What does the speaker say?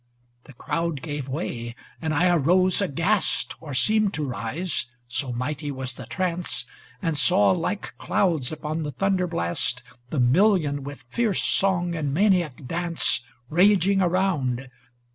The crowd gave way, and I arose aghast. Or seemed to rise, so mighty was the trance. And saw, like clouds upon the thunder blast. The million with fierce song and maniac dance no Raging around.